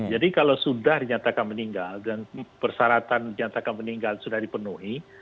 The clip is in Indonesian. jadi kalau sudah dinyatakan meninggal dan persyaratan dinyatakan meninggal sudah dipenuhi